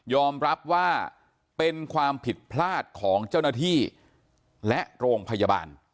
รับว่าเป็นความผิดพลาดของเจ้าหน้าที่และโรงพยาบาล